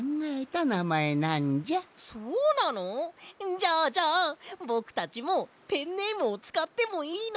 じゃあじゃあぼくたちもペンネームをつかってもいいの？